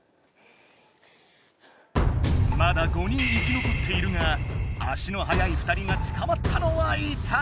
まだ５人生き残っているが足の速い２人がつかまったのはイタい。